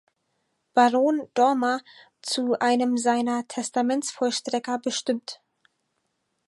Baron Dormer zu einem seiner Testamentsvollstrecker bestimmt.